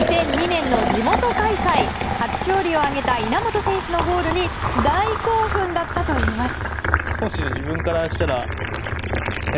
２００２年の地元開催初勝利を挙げた稲本選手のゴールに大興奮だったといいます。